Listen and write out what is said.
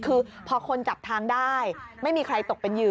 คือพอคนจับทางได้ไม่มีใครตกเป็นเหยื